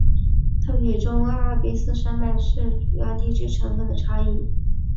它与中阿尔卑斯山脉主要是地质成分的差异。